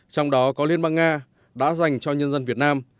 trong đó có liên bang nga đã dành cho nhân dân việt nam